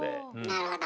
なるほど。